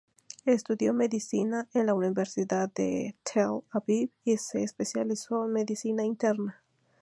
Estudió medicina en la Universidad de Tel Aviv, y se especializó en medicina interna.